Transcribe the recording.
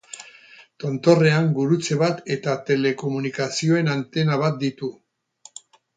Tontorrean gurutze bat eta telekomunikazioen antena bat ditu.